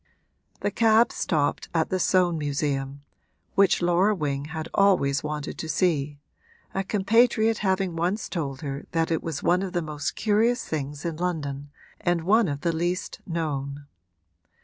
The cab stopped at the Soane Museum, which Laura Wing had always wanted to see, a compatriot having once told her that it was one of the most curious things in London and one of the least known.